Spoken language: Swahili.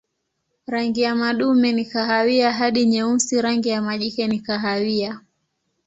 Rangi ya madume ni kahawia hadi nyeusi, rangi ya majike ni kahawia.